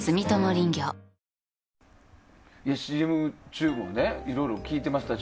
ＣＭ中もいろいろ聞いてました。